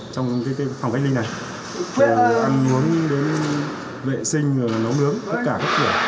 trong phòng cách ly này ăn uống vệ sinh nấu nướng tất cả các kiểu